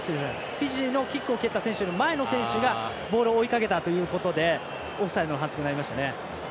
フィジーのキックを蹴った選手より前の選手がボールを追いかけたということでオフサイドの反則になりましたね。